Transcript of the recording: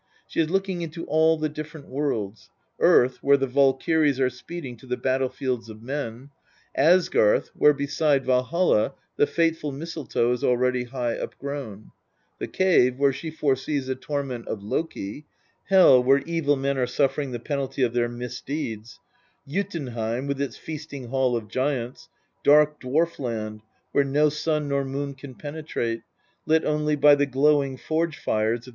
She is looking into all the different worlds Earth, where the Valkyries are speeding to the battlefields of men; Asgarth, where beside Valholl the fateful mistletoe is already high upgrown ; the cave where she foresees the torment of Loki ; Hel, where evil men are suffering the penalty of their misdeeds ; Jotunheim, with, its feasting hall of giants ; dark dwarf land, where no sun nor moon can penetrate, lit only by the glowing forge fires of